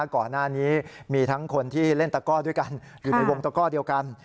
ก่อนหน้านี้มีทั้งคนที่เล่นตะก้อด้วยกันอยู่ในวงตะก้อเดียวกัน